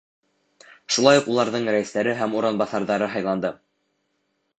Шулай уҡ уларҙың рәйестәре һәм урынбаҫарҙары һайланды.